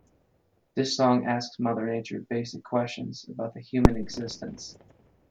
This song asks Mother Nature basic questions about the human existence.